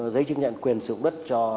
giấy chứng nhận quyền sử dụng đất cho